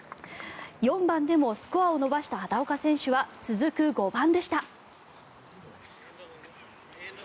４番でもスコアを伸ばした畑岡選手は、続く５番でした。